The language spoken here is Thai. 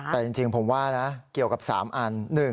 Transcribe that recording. แต่จริงผมว่านะเกี่ยวกับ๓อัน